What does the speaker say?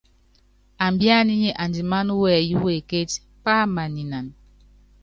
Ambíaná nyi andimáná wɛyí wekétí, pámaninan.